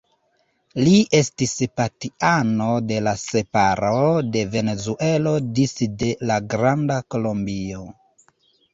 Li estis partiano de la separo de Venezuelo disde la Granda Kolombio.